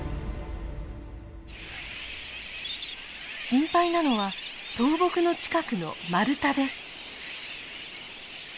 心配なのは倒木の近くのマルタです。